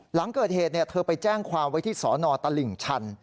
หลังเกิดเหตุเธอไปแจ้งความไว้ที่สนตลิ่งชัน